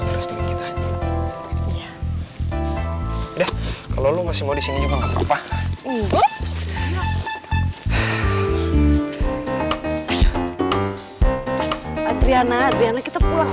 berhasil kita udah kalau lu masih mau disini juga nggak apa apa adriana adriana kita pulang